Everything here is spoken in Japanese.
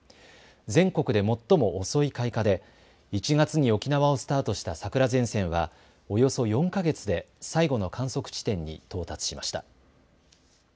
全国で最も遅い開花で１月に沖縄をスタートした桜前線はおよそ４か月で最後の観測地点に到達しました。